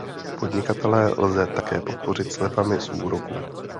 Podnikatele lze také podpořit slevami z úroků.